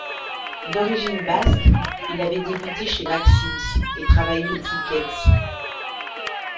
D'origine basque, il avait débuté chez Maxim's et travaillé au Fouquet's.